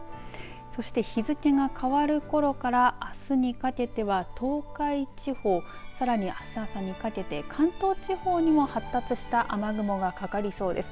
そして日付が変わるころからあすにかけては東海地方さらにあす朝にかけて関東地方にも発達した雨雲がかかりそうです。